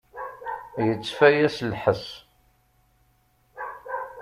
Yettfaya s lḥess.